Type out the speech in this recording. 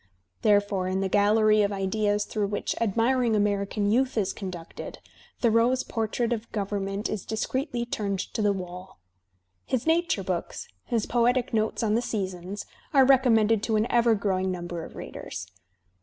Therefore in the gallery of ideas through which admiring American youth is conducted, Thoreau's portrait of government is discreetly turned to the wall. His nature books, his poetic notes on the seasons, are recom mended to an ever growing number of readers.